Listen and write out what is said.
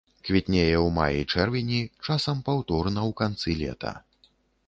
Квітнее ў маі-чэрвені, часам паўторна ў канцы лета.